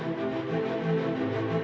jadi kita harus mencari yang lebih baik